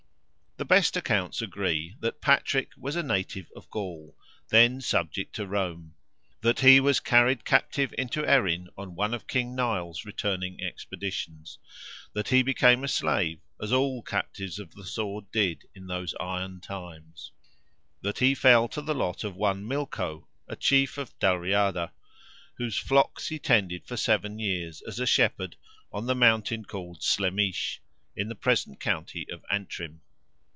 The best accounts agree that Patrick was a native of Gaul, then subject to Rome; that he was carried captive into Erin on one of King Nial's returning expeditions; that he became a slave, as all captives of the sword did, in those iron times; that he fell to the lot of one Milcho, a chief of Dalriada, whose flocks he tended for seven years, as a shepherd, on the mountain called Slemish, in the present county of Antrim.